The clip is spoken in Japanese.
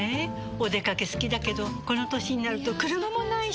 お出かけ好きだけどこの歳になると車もないし。